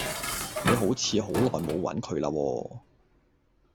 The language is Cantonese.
你好似好耐冇揾佢啦喎